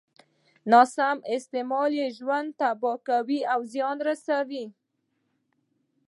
ناسم استعمال يې ژوند تباه کوي او زيان رسوي.